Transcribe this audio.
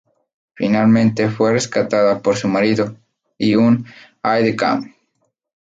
Finalmente fue rescatada por su marido y un aide-de-camp.